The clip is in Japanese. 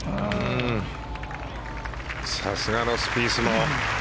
さすがのスピースも。